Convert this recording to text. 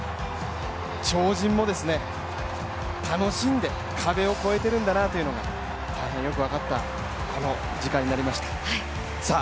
超人も楽しんで壁を超えてるんだなというのが大変よくわかった時間になりました。